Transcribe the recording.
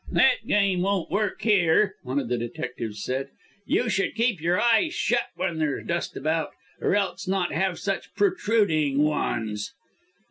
"That game won't work here," one of the detectives said, "you should keep your eyes shut when there's dust about, or else not have such protruding ones."